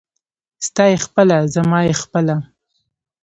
ستا يې خپله ، زما يې خپله.